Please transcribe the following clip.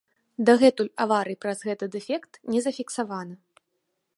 Дагэтуль аварый праў гэты дэфект не зафіксавана.